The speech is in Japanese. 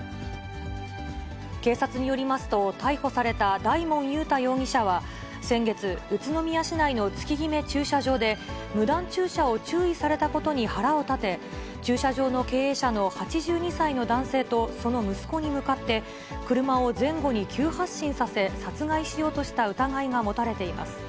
警察によりますと、逮捕された大門勇太容疑者は先月、宇都宮市内の月ぎめ駐車場で、無断駐車を注意されたことに腹を立て、駐車場の経営者の８２歳の男性とその息子に向かって、車を前後に急発進させ、殺害しようとした疑いが持たれています。